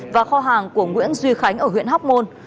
và kho hàng của nguyễn duy khánh ở huyện hóc môn